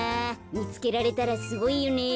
みつけられたらすごいよねえ。